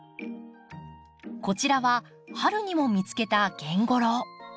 こちらは春にも見つけたゲンゴロウ。